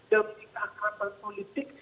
demi kata kata politik